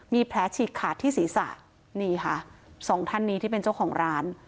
มีแผลฉีกขาดที่ศีรษะนี่ค่ะสองท่านนี้ที่เป็นเจ้าของร้าน